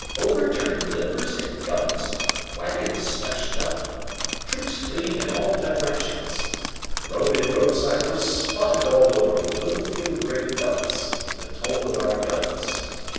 Overturned limbers and guns, wagons smashed up, troops fleeing in all directions. The road and roadside were spotted all over with little field gray dots, the toll of our guns.